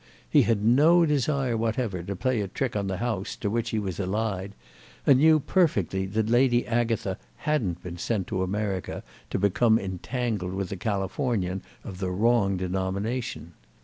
He had no desire whatever to play a trick on the house to which he was allied, and knew perfectly that Lady Agatha hadn't been sent to America to become entangled with a Californian of the wrong denomination.